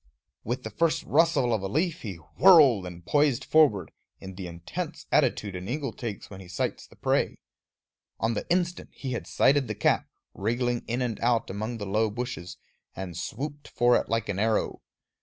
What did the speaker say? With the first rustle of a leaf he whirled and poised forward, in the intense attitude an eagle takes when he sights the prey. On the instant he had sighted the cap, wriggling in and out among the low bushes, and swooped for it like an arrow.